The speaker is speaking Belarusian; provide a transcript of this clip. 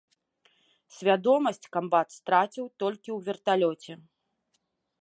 Свядомасць камбат страціў толькі ў верталёце.